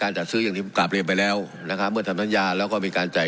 จัดซื้ออย่างที่กลับเรียนไปแล้วนะครับเมื่อทำสัญญาแล้วก็มีการจ่าย